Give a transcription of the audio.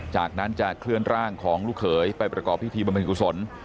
จากนั้นจะเคลื่อนร่างของลูกเขยไปประกอบพิธีบำเน็กกุศล